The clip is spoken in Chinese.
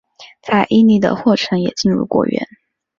在伊犁的霍城也进入果园。